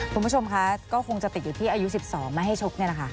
คุณผู้ชมคะก็คงจะติดอยู่ที่อายุ๑๒ไม่ให้ชกนี่แหละค่ะ